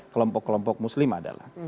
kelompok kelompok muslim adalah